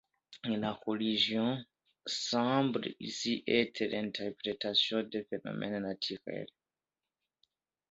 La religion semble ici être l’interprétation de phénomènes naturels.